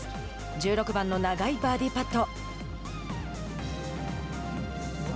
１６番の長いバーディーパット。